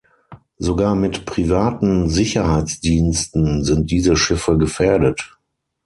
Sogar mit privaten Sicherheitsdiensten sind diese Schiffe gefährdet.